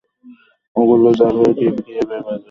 ওগুলো যাবে কিয়েভ-এর বাজারে।